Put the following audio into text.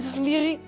mah kan bisa sendiri